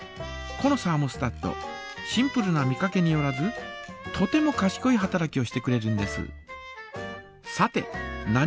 このサーモスタットシンプルな見かけによらずとてもかしこい働きをしてくれるんです。